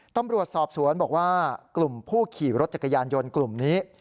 ตำรวจสอบสวนบอกว่ากลุ่มผู้ขี่รถจักรยานยนต์กลุ่มนี้